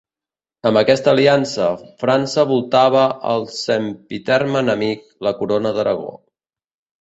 Amb aquesta aliança, França voltava al sempitern enemic, la Corona d'Aragó.